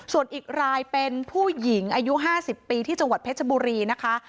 ส่วนอีกรายเป็นผู้หญิงอายุ๕๐ปีที่จังหวัดเพชรบุรีนะคะ